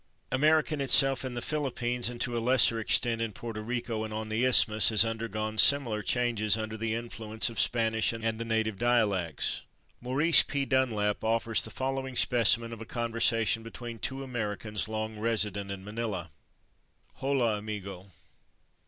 " American itself, in the Philippines, and to a lesser extent in Porto Rico and on the Isthmus, has undergone similar changes under the influence of Spanish and the native dialects. Maurice P. Dunlap offers the following specimen of a conversation between two Americans long resident in Manila: Hola, amigo.